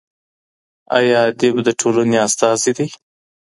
آیا ادئب د ټولني استازی دئ؟